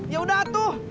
ya udah atuh